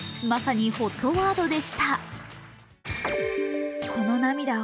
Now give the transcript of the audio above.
まさにＨＯＴワードでした。